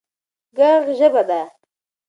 ږغ ژبه ده